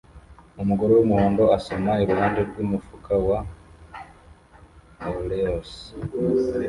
Umugore wumuhondo asoma iruhande rwumufuka wa Oreos